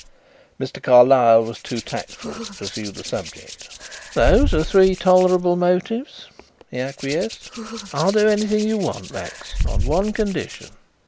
Mr. Carlyle was too tactful to pursue the subject. "Those are three tolerable motives," he acquiesced. "I'll do anything you want, Max, on one condition."